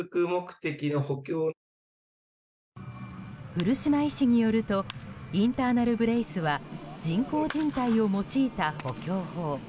古島医師によるとインターナル・ブレイスは人工じん帯を用いた補強法。